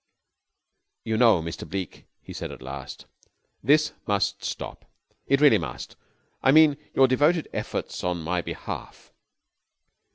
"You know, Mr. Bleke," he said at last, "this must stop. It really must. I mean your devoted efforts on my behalf."